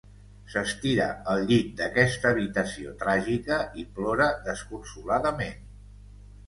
S'estira al llit d'aquesta habitació tràgica i plora desconsoladament.